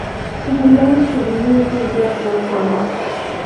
چې همدا اوس په ملي اردو زيات واک لري.